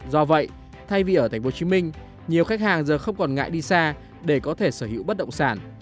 do vậy thay vì ở tp hcm nhiều khách hàng giờ không còn ngại đi xa để có thể sở hữu bất động sản